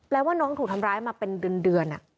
แล้วว่าน้องถูกทำร้ายมาเป็นเดือน